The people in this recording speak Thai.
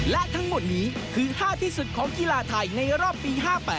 และทั้งหมดนี้คือ๕ที่สุดของกีฬาไทยในรอบปี๕๘